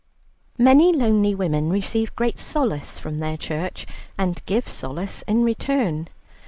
Many lonely women receive great solace from their church, and give solace in return.